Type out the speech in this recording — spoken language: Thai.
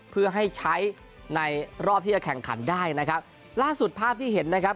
เพื่อให้ใช้ในรอบที่จะแข่งขันได้นะครับล่าสุดภาพที่เห็นนะครับ